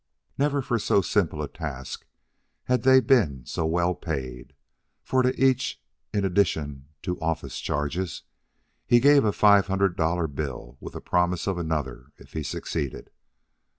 Never, for so simple a task, had they been so well paid; for, to each, in addition to office charges, he gave a five hundred dollar bill, with the promise of another if he succeeded.